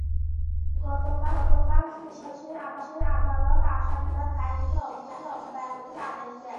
গতকাল শুনানি শেষে আদালত আসামিদের মামলার দায় থেকে অব্যাহতির আদেশ দেন।